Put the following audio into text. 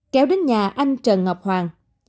kéo đến nhà anh trần ngọc hoàng